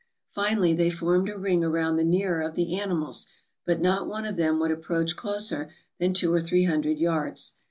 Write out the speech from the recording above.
Finally they formed a ring around the nearer of the animals, but not one of them would approach closer than two or three hundred yards.